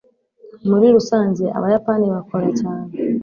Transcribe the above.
muri rusange, abayapani bakora cyane